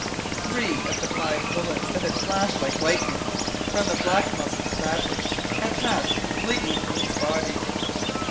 Three of the five bullets that had flashed like lightning from the black muzzled Savage had passed completely through his body.